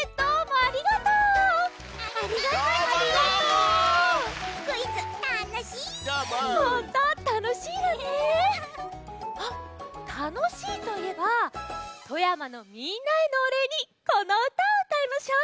あったのしいといえば富山のみんなへのおれいにこのうたをうたいましょう！